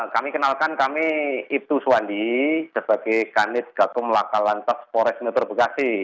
kami kenalkan kami ibtu suwandi sebagai kanit gakum laka lantas pores metro bekasi